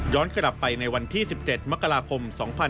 กลับไปในวันที่๑๗มกราคม๒๕๖๒